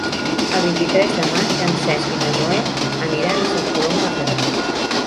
El vint-i-tres de maig en Cesc i na Zoè aniran a Santa Coloma de Queralt.